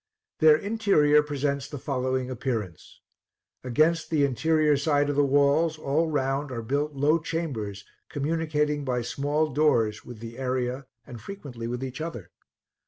Their interior presents the following appearance: against the interior side of the walls all round are built low chambers, communicating by small doors with the area and frequently with each other.